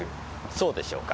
そうでしょうか。